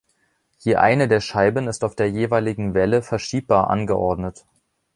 Je eine der Scheiben ist auf der jeweiligen Welle verschiebbar angeordnet.